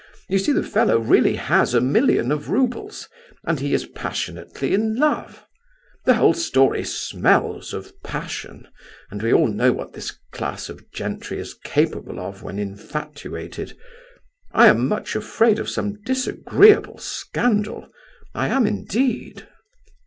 You see the fellow really has a million of roubles, and he is passionately in love. The whole story smells of passion, and we all know what this class of gentry is capable of when infatuated. I am much afraid of some disagreeable scandal, I am indeed!"